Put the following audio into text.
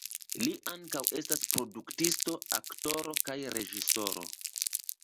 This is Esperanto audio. Li ankaŭ estas produktisto, aktoro, kaj reĝisoro.